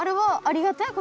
ありがたい。